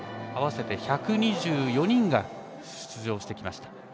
合わせて１２４人が出場してきました。